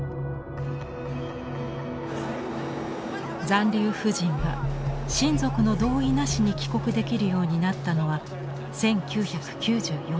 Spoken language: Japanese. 残留婦人が親族の同意なしに帰国できるようになったのは１９９４年。